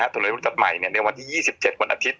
ถนนตัดใหม่ในวันที่๒๗วันอาทิตย